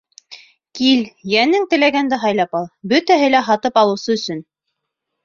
Кил, йәнең теләгәнеңде һайлап ал — бөтәһе лә һатып алыусы өсөн.